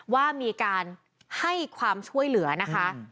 ว่ามีการให้ความช่วยเหลือนะคะ